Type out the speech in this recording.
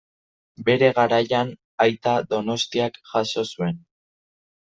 Bere garaian Aita Donostiak jaso zuen.